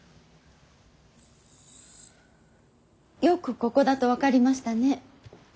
よくここだと分かりましたね。